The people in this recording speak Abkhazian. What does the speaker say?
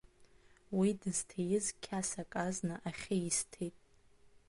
Уи дызҭииз қьасак азна ахьы исҭеит.